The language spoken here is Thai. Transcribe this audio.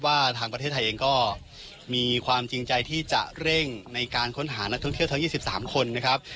ว่าทางประเทศไทยเองก็มีความจริงใจที่จะเร่งในการค้นหานักท่องเที่ยวทั้ง๒๓คนนะครับ